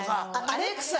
アレクサ。